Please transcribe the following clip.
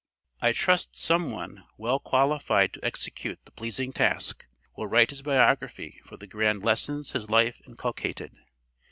I trust some one, well qualified to execute the pleasing task, will write his biography for the grand lessons his life inculcated.